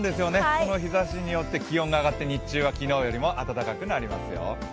この日差しによって気温が上がって日中は昨日よりも暖かくなりますよ。